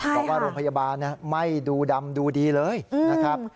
บอกว่าโรงพยาบาลไม่ดูดำดูดีเลยนะครับ